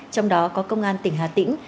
trong đó có công an tỉnh hà tĩnh